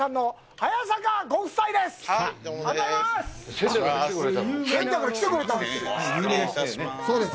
ありがとうございます。